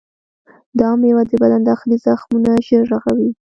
دا میوه د بدن داخلي زخمونه ژر رغوي.